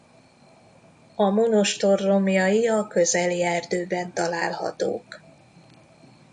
A monostor romjai a közeli erdőben találhatók.